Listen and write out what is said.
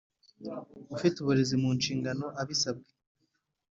Ufite uburezi mu nshingano abisabwe